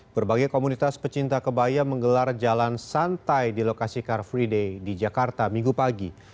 berbagai komunitas pecinta kebaya menggelar jalan santai di lokasi car free day di jakarta minggu pagi